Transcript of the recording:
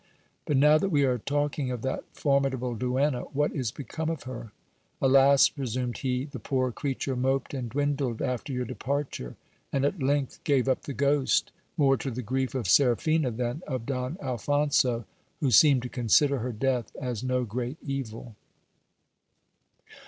But now that we are talking of that formidable duenna, what is become of her ? Alas ! resumed he, the poor creature moped and dwindled after your departure, and at length gave up the ghost, more to the grief of Seraphina than of Don Alphonso, who seemed to consider her death as no great evil.